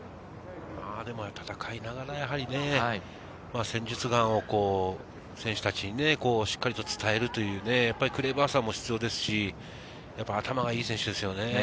戦いながら戦術眼を選手たちにしっかりと伝えるというクレバーさも必要ですし、頭がいい選手ですね。